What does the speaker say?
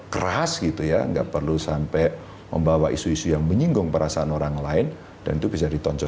keras gitu ya nggak perlu sampai membawa isu isu yang menyinggung perasaan orang lain dan itu bisa ditoncok